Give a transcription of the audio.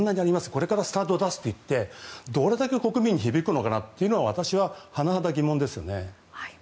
これからスタートダッシュと言ってどれだけ国民に響くのかなって私は甚だ疑問ですね。